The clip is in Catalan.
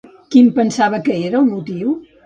Quin pensava que era el motiu?